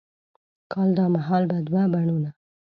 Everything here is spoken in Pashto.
کال دا مهال به دوه بڼوڼه،